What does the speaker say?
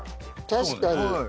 確かに。